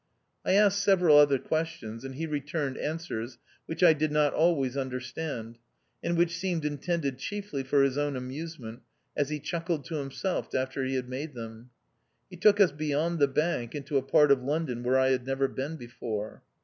I asked several other questions, and he returned answers which I did not always understand, and which seemed intended chiefly for his own amusement, as he chuckled to himself after he had made them. He took us beyond the Bank, into a part of London where I had never been before.